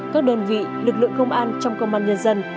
các đơn vị lực lượng công an trong công an nhân dân